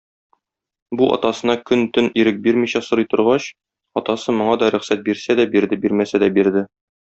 Бу атасына көн-төн ирек бирмичә сорый торгач, атасы моңа да рөхсәт бирсә дә бирде, бирмәсә дә бирде.